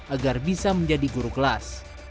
agar bisa menjadi guru kelas